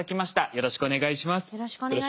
よろしくお願いします。